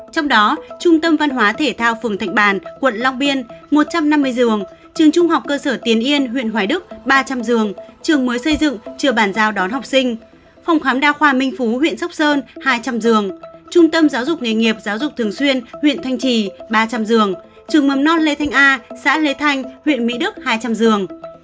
trong đó trung tâm văn hóa thể thao phường thạnh bàn quận long biên một trăm năm mươi giường trường trung học cơ sở tiến yên huyện hoài đức ba trăm linh giường trường mới xây dựng trường bản giao đón học sinh phòng khám đa khoa minh phú huyện sóc sơn hai trăm linh giường trung tâm giáo dục nghề nghiệp giáo dục thường xuyên huyện thanh trì ba trăm linh giường trường mầm non lê thanh a xã lê thanh huyện mỹ đức hai trăm linh giường